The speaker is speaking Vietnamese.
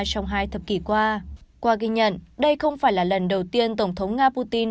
trong hai thập kỷ qua qua ghi nhận đây không phải là lần đầu tiên tổng thống nga putin